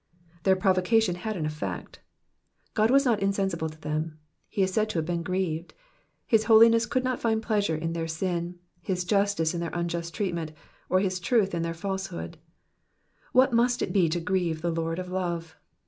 '*^ Their provocations had an effect ; God was not insensible to them, he is said to have been grieved. His holiness could not find pleasure in their sin, his justice in their unjust treatment, or his truth in their falsehood. What must it be to grieve the Lord of love